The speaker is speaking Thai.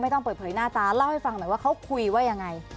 ต้องเปิดเผยหน้าตาเล่าให้ฟังหน่อยว่าเขาคุยว่ายังไง